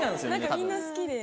みんな好きで。